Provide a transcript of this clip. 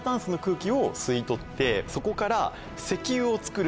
そこから。